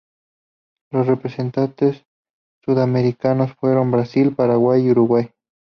Los representantes sudamericanos fueron Brasil, Paraguay y Uruguay.